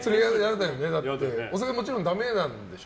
お酒、もちろんダメなんでしょ？